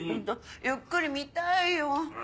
ゆっくり見たいよ。